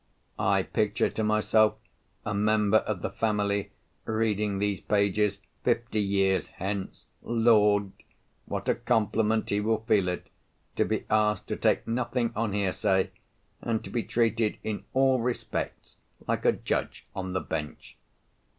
I picture to myself a member of the family reading these pages fifty years hence. Lord! what a compliment he will feel it, to be asked to take nothing on hear say, and to be treated in all respects like a Judge on the bench.